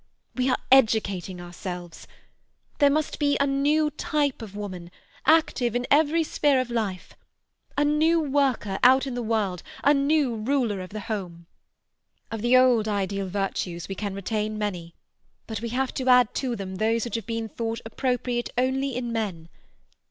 We are educating ourselves. There must be a new type of woman, active in every sphere of life: a new worker out in the world, a new ruler of the home. Of the old ideal virtues we can retain many, but we have to add to them those which have been thought appropriate only in men.